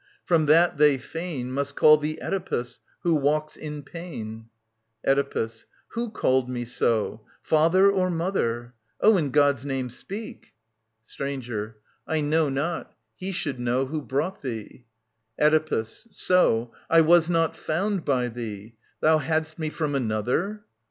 From that they fain Must call thee Oedipus, " Who walks in pain, Oedipus. Who called me so — father or mother ? Oh, In God's name, speak ! 60 TT. 1038 1046 OEDIPUS, KING OF THEBES Stranger. I know not. He should know Who brought thee. Oedipus. So : I was not found by thee. Thou hadst me irom another